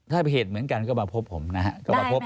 ถ้าเผยเหตุเหมือนกันก็มาพบผมนะฮะ